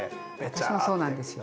私もそうなんですよ。